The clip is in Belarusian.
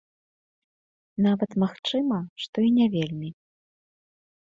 Нават, магчыма, што і не вельмі.